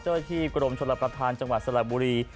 เจ้าที่กรมชนรับประทานจังหวัดสลับบุรี